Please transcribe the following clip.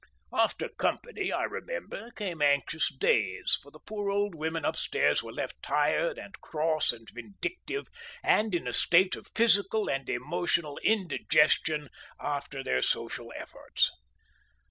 After Company, I remember, came anxious days, for the poor old women upstairs were left tired and cross and vindictive, and in a state of physical and emotional indigestion after their social efforts....